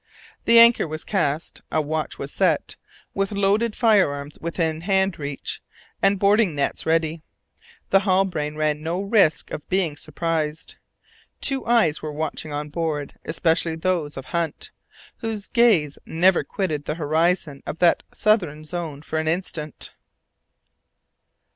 The anchor was cast, a watch was set, with loaded firearms within hand reach, and boarding nets ready. The Halbrane ran no risk of being surprised. Too many eyes were watching on board especially those of Hunt, whose gaze never quitted the horizon of that southern zone for an instant.